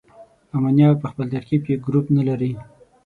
امونیا په خپل ترکیب کې ګروپ نلري.